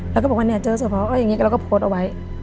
แล้วก็บอกว่าเนี่ยเจอเฉพาะแล้วก็โพสต์เอาไว้